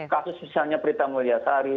kasus misalnya prita mulyasari